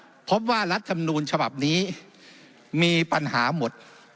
และผมว่ารัฐมนูลฉบับนี้มีปัญหาหมด